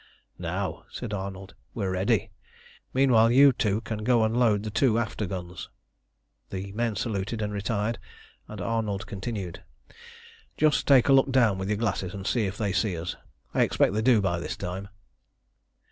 "Now," said Arnold, "we're ready! Meanwhile you two can go and load the two after guns." The men saluted and retired, and Arnold continued "Just take a look down with your glasses and see if they see us. I expect they do by this time."